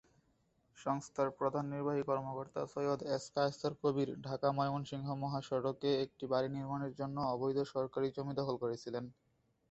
সংস্থার প্রধান নির্বাহী কর্মকর্তা সৈয়দ এস কায়সার কবির ঢাকা-ময়মনসিংহ মহাসড়কে একটি বাড়ি নির্মাণের জন্য অবৈধভাবে সরকারী জমি দখল করেছিলেন।